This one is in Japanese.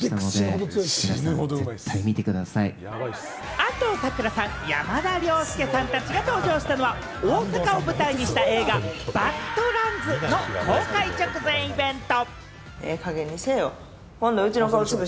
安藤サクラさん、山田涼介さんたちが登場したのは、大阪を舞台にした映画『ＢＡＤＬＡＮＤＳバッド・ランズ』の公開直前イベント。